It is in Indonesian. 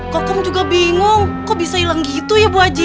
kokum juga bingung kok bisa hilang gitu ya bu aji